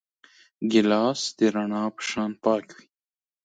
ګیلاس د رڼا په شان پاک وي.